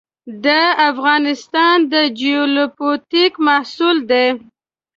د افغانستان د جیوپولیټیک محصول ده.